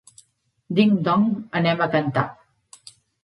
Ding Dong anem a cantar.